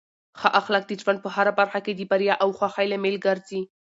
ښه اخلاق د ژوند په هره برخه کې د بریا او خوښۍ لامل ګرځي.